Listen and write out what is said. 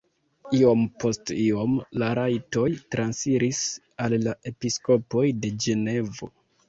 Iom post iom la rajtoj transiris al la episkopoj de Ĝenevo.